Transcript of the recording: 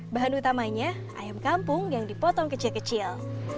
bahan utamanya ayam kampung yang dipotong kecil kecil